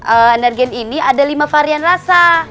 energen ini ada lima varian rasa